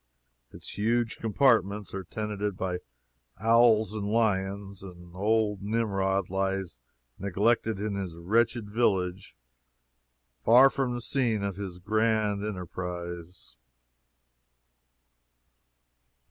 Its huge compartments are tenanted by owls and lions, and old Nimrod lies neglected in this wretched village, far from the scene of his grand enterprise.